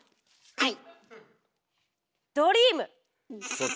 はい。